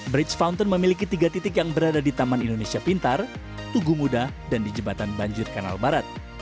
bridge fountain memiliki tiga titik yang berada di taman indonesia pintar tugu muda dan di jembatan banjir kanal barat